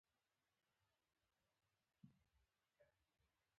د دروازې سره نږدې و.